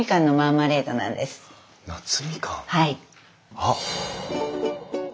あっ！